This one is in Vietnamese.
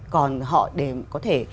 còn họ để có thể